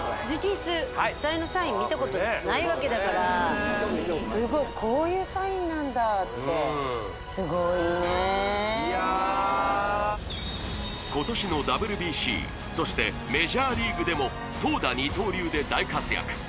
実際のサイン見たことなんかないわけだからスゴいこういうサインなんだって今年のＷＢＣそしてメジャーリーグでも投打二刀流で大活躍